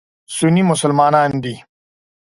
سني مسلمانان دي.